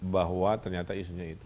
bahwa ternyata isunya itu